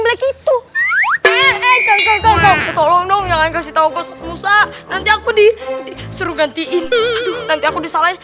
black itu tolong dong jangan kasih tahu ke musa nanti aku di seru gantiin nanti aku disalahin